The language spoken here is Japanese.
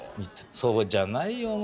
そうじゃないよお前。